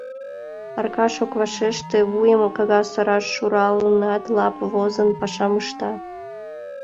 Аркаш ок вашеште, вуйым кагаз ораш шуралынат, лап возын пашам ышта.